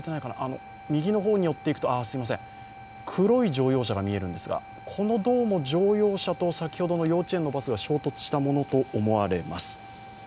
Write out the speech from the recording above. ぐーっと右の方に寄っていくと黒い乗用車が見えるんですがこの乗用車と先ほどの幼稚園のバスが衝突したものと思われます。